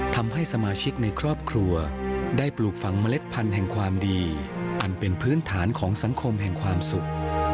ทำให้สมาชิกในครอบครัวได้ปลูกฝังเมล็ดพันธุ์แห่งความดีอันเป็นพื้นฐานของสังคมแห่งความสุข